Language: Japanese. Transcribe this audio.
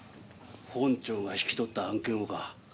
本庁が引き取った案件をか？